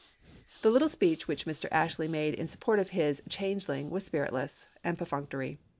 The little speech which Mr. Ashley made in sup port of his changeling was spiritless and perfunc tory.